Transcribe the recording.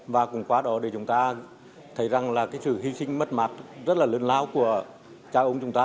và cùng quá đó để chúng ta thấy rằng là cái sự hy sinh mất mạc rất là lớn lao của cha ông chúng ta